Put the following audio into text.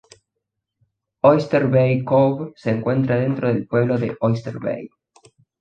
Oyster Bay Cove se encuentra dentro del pueblo de Oyster Bay.